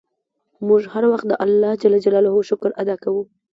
موږ هر وخت د اللهﷻ شکر ادا کوو.